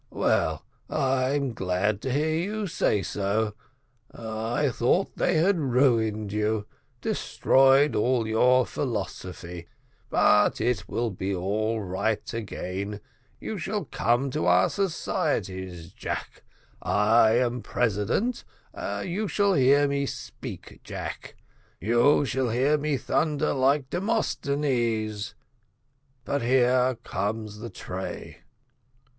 "Well, I'm glad to hear you say so; I thought they had ruined you, destroyed all your philosophy but it will be all right again you shall come to our societies, Jack I am president you shall hear me speak, Jack you shall hear me thunder like Demosthenes but here comes the tray."